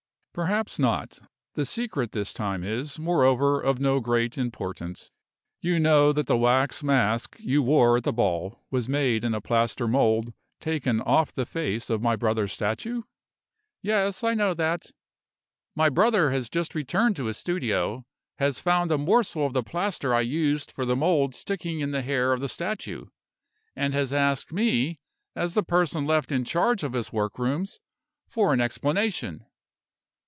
"Perhaps not. The secret this time is, moreover, of no great importance. You know that the wax mask you wore at the ball was made in a plaster mold taken off the face of my brother's statue?" "Yes, I know that." "My brother has just returned to his studio; has found a morsel of the plaster I used for the mold sticking in the hair of the statue; and has asked me, as the person left in charge of his work rooms, for an explanation.